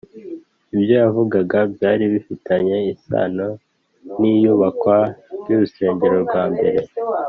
ibyo yavugaga byari bifitanye isano n’iyubakwa ry’urusengero rwa mbere